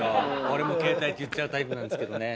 俺もケータイって言っちゃうタイプなんですけどね。